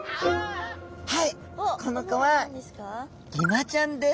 はいこの子はギマちゃんです。